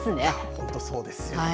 本当そうですよね。